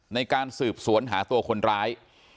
ในการสืบสวนหาตัวคนร้าย